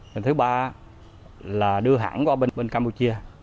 cái thứ ba là đưa hẳn qua bên campuchia